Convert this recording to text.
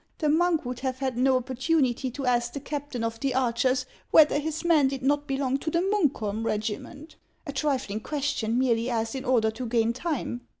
— the monk would have had no opportunity to ask the captain of the archers whether his men did not be long to the Munkholm . regiment ; a trifling question, merely asked in order to gain time.